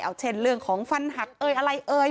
เอาเช่นเรื่องของฟันหักเอ่ยอะไรเอ่ย